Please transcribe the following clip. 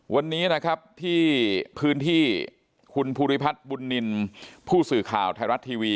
วันนี้นะครับที่พื้นที่คุณภูริพัฒน์บุญนินผู้สื่อข่าวไทยรัฐทีวี